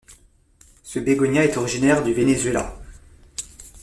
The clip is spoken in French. Ce bégonia est originaire du Vénézuela.